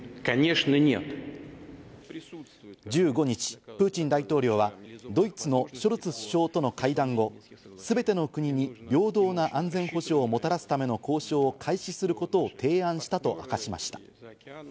１５日、プーチン大統領はドイツのショルツ首相との会談後、すべての国に平等の安全保障をもたらすための交渉を開始することを提案したと明かしました。